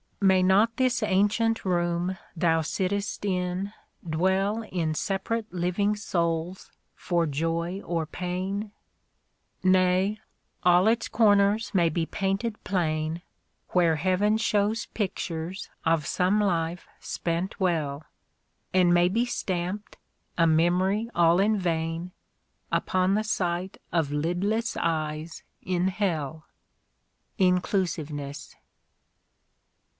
May not this ancient room thou sitt*st in dwell In separate living souls for joy or pain ? Nay, all its corners may be painted plain. Where Heaven shows pictures of some life spent well. And may be stamped, a memory all in vain. Upon the sight of lidless eyes in Hell. (Jnclusiveness.)